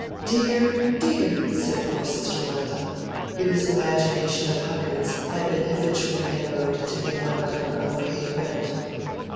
"Dear, dear!" said poor sister Martha, whose imagination of hundreds had been habitually narrowed to the amount of her unpaid rent.